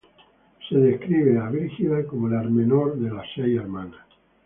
Se describe a Brígida como la menor de las seis hermanas.